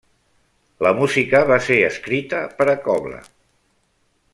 La música va ser escrita per a cobla.